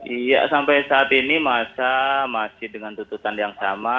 iya sampai saat ini masa masih dengan tuntutan yang sama